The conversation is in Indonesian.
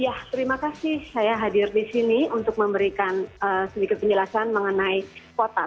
ya terima kasih saya hadir di sini untuk memberikan sedikit penjelasan mengenai kota